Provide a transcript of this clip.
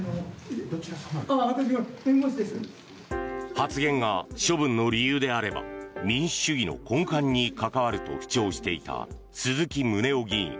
発言が処分の理由であれば民主主義の根幹に関わると主張していた鈴木宗男議員。